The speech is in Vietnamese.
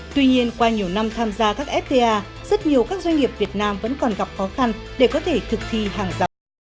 tuy nhiên qua nhiều năm tham gia các fta rất nhiều các doanh nghiệp việt nam vẫn còn gặp khó khăn để có thể thực thi hàng rào